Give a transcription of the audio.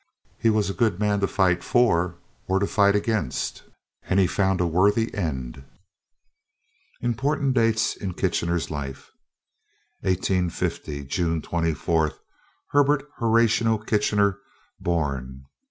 He was a good man to fight for or to fight against, and he found a worthy end." IMPORTANT DATES IN KITCHENER'S LIFE 1850. June 24. Herbert Horatio Kitchener born.